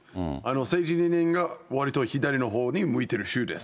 政治理念がわりと左のほうに向いてる州です。